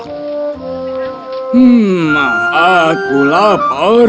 hmm aku lapar